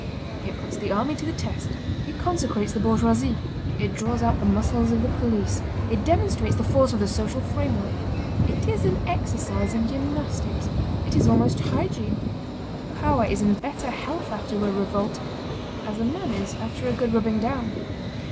It puts the army to the test; it consecrates the bourgeoisie, it draws out the muscles of the police; it demonstrates the force of the social framework. It is an exercise in gymnastics; it is almost hygiene. Power is in better health after a revolt, as a man is after a good rubbing down.